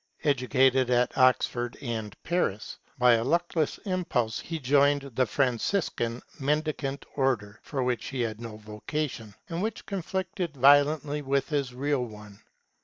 Educated at Oxford and Paris, by a luckless impulse he joined the Franciscan (mendicant) Order, for which he had no vocation, and which conflicted violently with his real one.